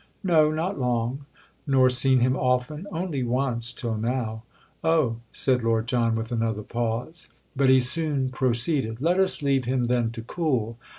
"No—not long." "Nor seen him often?" "Only once—till now." "Oh!" said Lord John with another pause. But he soon proceeded. "Let us leave him then to cool!